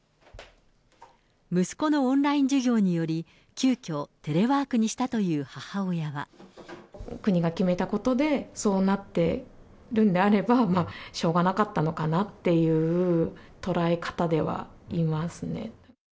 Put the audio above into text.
息子のオンライン授業により、急きょ、テレワークにしたという国が決めたことで、そうなってるんであれば、しょうがなかったのかなっていう捉え方ではいますね。